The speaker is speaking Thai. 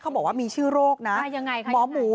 บอกว่ามีชื่อโรคนะหมอหมู